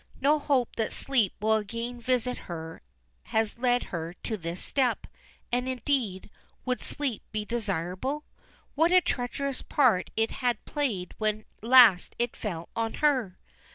No hope that sleep will again visit her has led her to this step, and, indeed, would sleep be desirable? What a treacherous part it had played when last it fell on her!